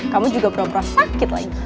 kamu juga beropera sakit lagi